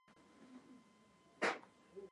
kauli yake floren jerry afisa wa umoja mataifa